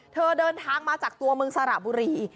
เดินทางมาจากตัวเมืองสระบุรี